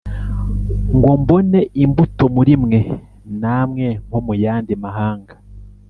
ngo mbone imbuto muri mwe namwe nko mu yandi mahanga